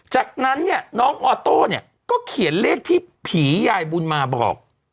จากนั้นเนี่ยน้องออโต้เนี่ยก็เขียนเลขที่ผียายบุญมาบอก